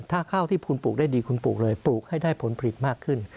ถ้าข้าวที่คุณปลูกได้ดีคุณปลูกเลยปลูกให้ได้ผลผลิตมากขึ้น